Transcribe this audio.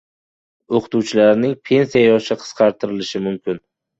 O‘qituvchilarning pensiya yoshi qisqartirilishi mumkin